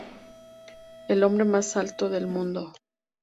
El hombre más alto del mundo.